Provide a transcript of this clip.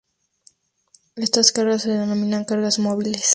Estas cargas se denominan cargas móviles.